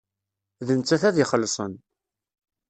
D nettat ad ixellṣen.